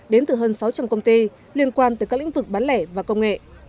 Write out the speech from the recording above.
đến từ hơn sáu trăm linh công ty liên quan tới các lĩnh vực bán lẻ và công nghệ